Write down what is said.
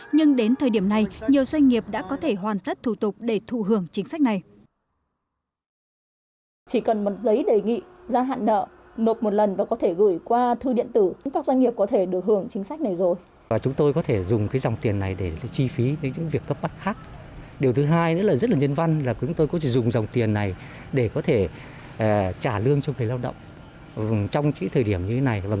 nhưng đến thời điểm này nhiều doanh nghiệp đã có thể hoàn tất thủ tục để thụ hưởng chính sách này